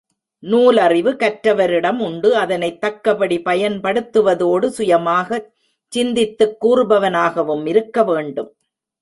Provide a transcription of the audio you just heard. நூலறிவு கற்றவரிடம் உண்டு அதனைத் தக்கபடி பயன்படுத்துவதோடு சுயமாகச் சிந்தித்துக் கூறுபவனாகவும் இருக்க வேண்டும்.